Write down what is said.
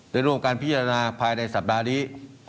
ร่วมการพิจารณาภายในสัปดาห์นี้